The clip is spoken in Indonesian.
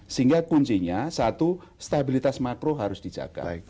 sehingga kuncinya satu stabilitas makro harus dijaga